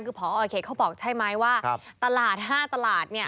คือพอโอเคเขาบอกใช่ไหมว่าตลาด๕ตลาด